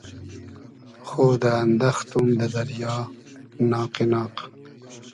خۉدۂ اندئختوم دۂ دئریا ناقی ناق